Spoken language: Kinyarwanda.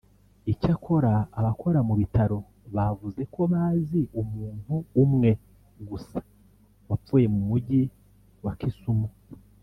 Icyakora abakora mu bitaro bavuze ko bazi umuntu umwe gusa wapfuye mu Mujyi wa Kisumu